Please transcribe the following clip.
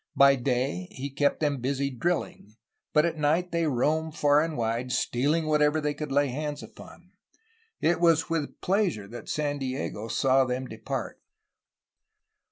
By day he kept them busy drilling, but at night they roamed far and wide, stealing whatever they could lay hands upon. It was with pleasure that San Diego saw them depart.